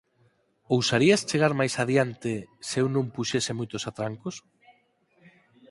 ¿Ousarías chegar máis adiante se eu non puxese moitos atrancos?